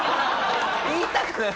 言いたくならない？